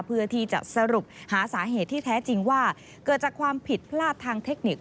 เพื่อที่จะสรุปหาสาเหตุที่แท้จริงว่าเกิดจากความผิดพลาดทางเทคนิค